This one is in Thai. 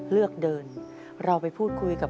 และครอบครัวกันเลยครับ